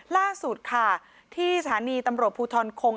ล่าสุดค่ะที่สถานีตำรวจภูทรคง